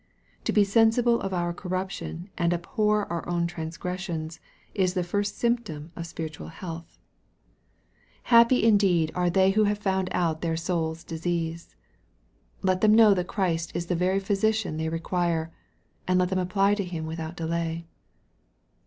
To be sen sible of our corruption and abhor our own transgressions, is the first symntonr of spiritual health. Happy indeed 2* 34 EXPOSITORY THOUGHTS. are they who have found out their soul's disease ! Let them know that Christ is the very Physician they re quire, and let them apply to Him without delay.